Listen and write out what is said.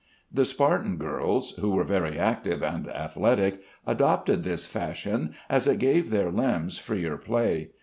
The Spartan girls, who were very active and athletic, adopted this fashion, as it gave their limbs freer play.